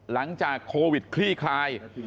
หลังจากโควิดคลี่คลาย